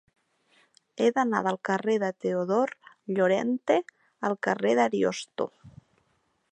He d'anar del carrer de Teodor Llorente al carrer d'Ariosto.